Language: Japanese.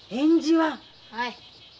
はい。